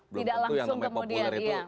belum waktu yang namanya popular itu